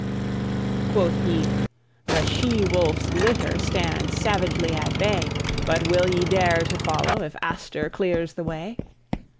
Quoth he: "The she wolf's litter Stand savagely at bay; But will ye dare to follow, If Astur clears the way?"